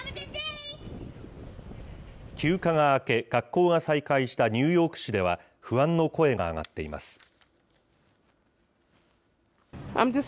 休暇が明け、学校が再開したニューヨーク市では、不安の声が上がっています。